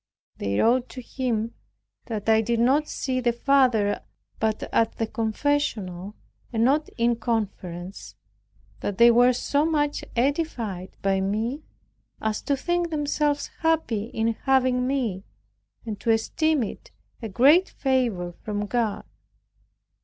They wrote to him that "I did not see the Father but at the confessional, and not in conference; that they were so much edified by me, as to think themselves happy in having me, and to esteem it a greater favor from God."